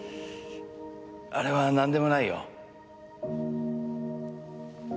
あれはなんでもないよ。